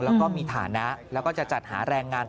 แล้วก็มีฐานะแล้วก็จะจัดหาแรงงาน